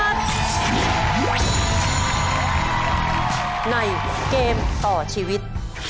ในเกมต่อชีวิต